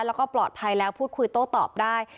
แล้วก็ปลอดภัยแล้วพูดคุยโต้ตอบได้